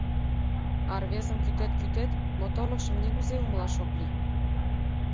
А рвезым кӱтет-кӱтет — моторлыкшым нигузе умылаш ок лий.